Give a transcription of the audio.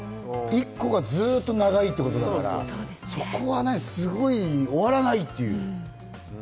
１個がずっと長いっていうことだから、そこはすごい終わらないという。